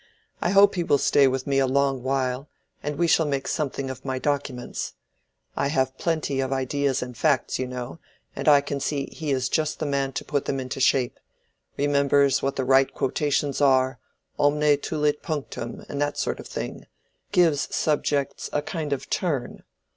"I hope he will stay with me a long while and we shall make something of my documents. I have plenty of ideas and facts, you know, and I can see he is just the man to put them into shape—remembers what the right quotations are, omne tulit punctum, and that sort of thing—gives subjects a kind of turn.